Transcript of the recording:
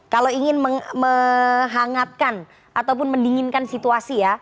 kalau ingin menghangatkan ataupun mendinginkan situasi ya